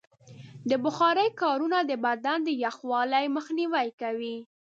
د بخارۍ کارونه د بدن د یخوالي مخنیوی کوي.